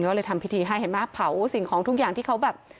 ก็เลยทำพิธีให้เห็นไหมเผาสิ่งของทุกอย่างที่เขาแบบ